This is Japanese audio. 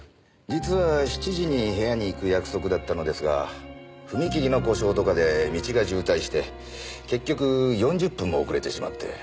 実は７時に部屋に行く約束だったのですが踏切の故障とかで道が渋滞して結局４０分も遅れてしまって。